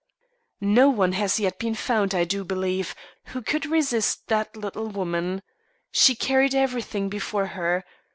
No one has yet been found, I do believe, who could resist that little woman. She carried everything before her.